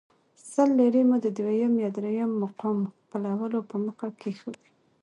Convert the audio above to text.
سل لیرې مو د دویم یا درېیم مقام خپلولو په موخه کېښودې.